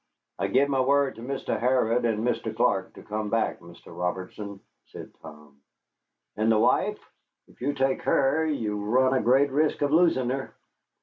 "I give my word to Mr. Harrod and Mr. Clark to come back, Mr. Robertson," said Tom. "And the wife? If you take her, you run a great risk of losing her."